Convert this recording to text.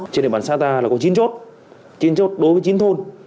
trên địa bàn sa ta là có chín chốt chín chốt đối với chín thôn